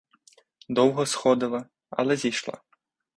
Довго сходила, але зійшла.